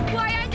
nggak bisa mer